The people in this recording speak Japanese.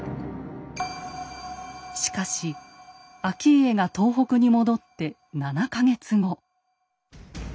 しかし顕家が東北に戻って７か月後。